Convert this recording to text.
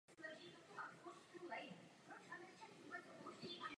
Ani to však úniku vody pod povrchem zcela nezabránilo.